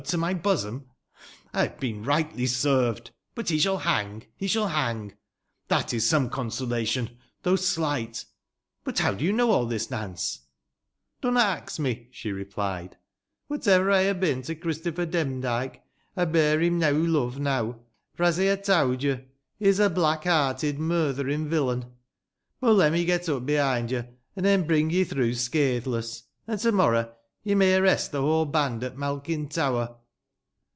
to my bosom ! I bave been rigbtly served. But be sball bang !— be sball bang ! Tbat is some consolation, tbougb sligbt. But bow do you know all tbis, Nance ?"" Dunna az me," sbe replied. " Wbatever ey ba' been to Christopber Demdike, ey bear bim neaw love now ; f o' as ey ba* towd yo, be is a black bearted murtherin' viUain. Bob lemme get up bebind yo, an' ey'n bring ye tbrougb scatbeless. An' to morrow ye may arrest tbe wbole band at Malkin Tower."